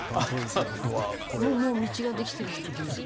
もう道ができてるって事ですか？